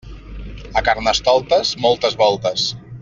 A Carnestoltes, moltes voltes.